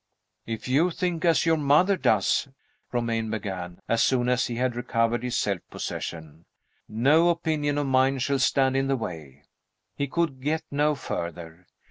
"If you think as your mother does," Romayne began, as soon as he had recovered his self possession, "no opinion of mine shall stand in the way " He could get no further.